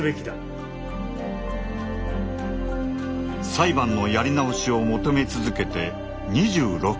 裁判のやり直しを求め続けて２６年。